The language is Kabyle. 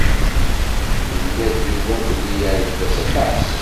Yenna-d Yuba belli yeɛǧeb-as aṭas.